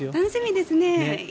楽しみですね。